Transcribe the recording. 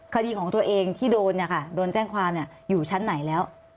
คดีของตัวเองที่โดนแจ้งความอยู่ชั้นไหนแล้ว